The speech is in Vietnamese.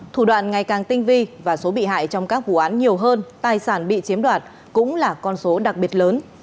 thủ đoạn ngày càng tinh vi và số bị hại trong các vụ án nhiều hơn tài sản bị chiếm đoạt cũng là con số đặc biệt lớn